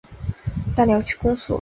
大寮区公所